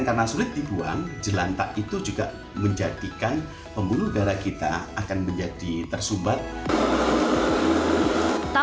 karena sulit dibuang jelantah itu juga menjadikan pembunuh gara kita akan menjadi tersumbat tak